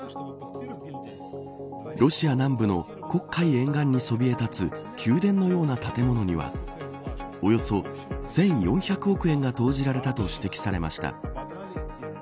ロシア南部の黒海沿岸にそびえ立つ宮殿のような建物にはおよそ１４００億円が投じられたと指摘されました。